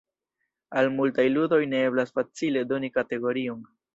Al multaj ludoj ne eblas facile doni kategorion.